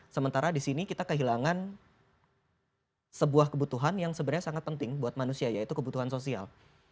sementara di sini kita kehilangan sebuah kebutuhan yang sebenarnya sangat penting buat manusia yaitu kebutuhan sosial